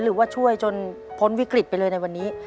หรือว่าช่วยจนพ้นวิกฤตไปเลยในวันนี้